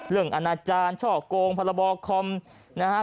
เรื่องอาณาจารย์ช่อโกงภาระบอกคอมนะฮะ